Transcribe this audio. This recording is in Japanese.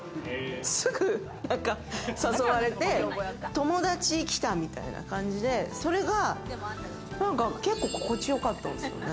すぐ誘われて、友達来たみたいな感じでそれが結構心地よかったんですよね。